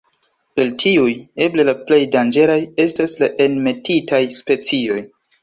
El tiuj, eble la plej danĝeraj estas la enmetitaj specioj.